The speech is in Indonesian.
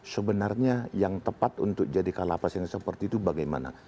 sebenarnya yang tepat untuk jadi kalapas yang seperti itu bagaimana